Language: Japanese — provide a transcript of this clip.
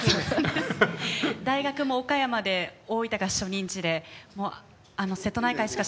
大学も岡山で大分が初任地で瀬戸内海しか